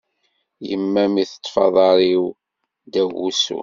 Yemma mi teṭṭef aḍar-iw ddaw wusu.